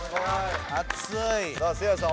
さあせいやさん